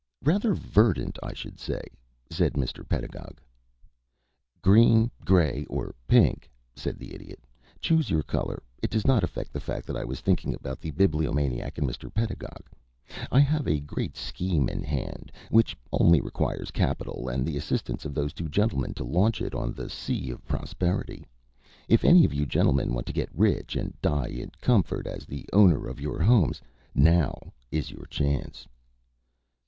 "Rather verdant, I should say," said Mr. Pedagog. "Green, gray, or pink," said the Idiot, "choose your color. It does not affect the fact that I was thinking about the Bibliomaniac and Mr. Pedagog. I have a great scheme in hand, which only requires capital and the assistance of those two gentlemen to launch it on the sea of prosperity. If any of you gentlemen want to get rich and die in comfort as the owner of your homes, now is your chance."